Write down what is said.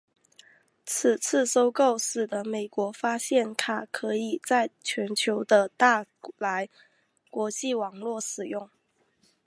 此次收购使得美国发现卡可以在全球的大来国际网络使用。